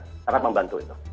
sangat membantu itu